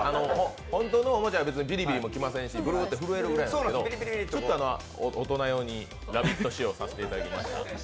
本当のおもちゃは別にビリビリきませんし、ちょっと震えるぐらいなんですけどちょっと大人用に、ラヴィット仕様にさせていただきました。